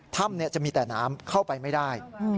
ถ้ำจะมีแต่น้ำเข้าไปไม่ได้